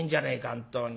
本当に。